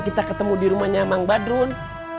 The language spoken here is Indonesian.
kita ketemu di rumahnya bang badrun